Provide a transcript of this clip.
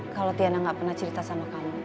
kalau tiana gak pernah cerita sama kamu